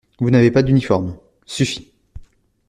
Vous n'avez pas d'uniforme: suffit!